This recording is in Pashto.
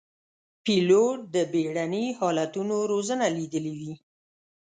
پیلوټ د بېړني حالتونو روزنه لیدلې وي.